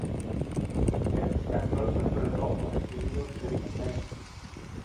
Dent spent most of her adult life in New York City and Maine.